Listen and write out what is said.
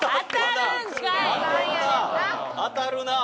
当たるなあ。